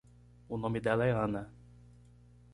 O nome dela é Ana.